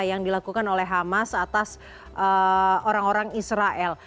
yang dilakukan oleh hamas atas orang orang israel